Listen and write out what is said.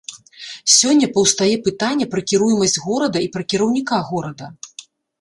Сёння паўстае пытанне пра кіруемасць горада і пра кіраўніка горада.